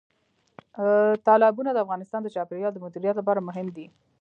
تالابونه د افغانستان د چاپیریال د مدیریت لپاره مهم دي.